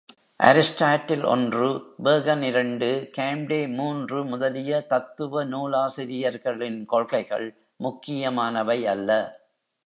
Aristotle, ஒன்று Bacon, இரண்டு Comte மூன்று முதலிய தத்துவ நூலாசிரியர்களின் கொள்கைகள் முக்கியமானவை அல்ல.